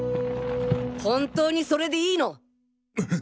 本当にそれでいいの？